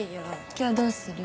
今日どうする？